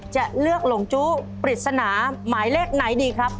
จะเลือกหลงจู้ปริศนาหมายเลขไหนดีครับ